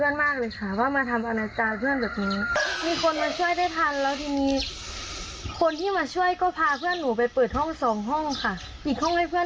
ยังไม่ได้มาหาค่ะแต่โทรมาบอกว่าช่วยหน่อยช่วยประจานให้หน่อย